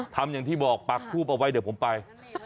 ทำอย่างที่บอกปักทูบเอาไว้เดี๋ยวผมไป